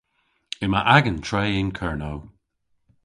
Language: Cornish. Yma agan tre yn Kernow.